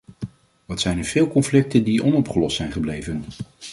Wat zijn er veel conflicten die onopgelost zijn gebleven!